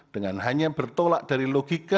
dengan hanya bertolak dari logika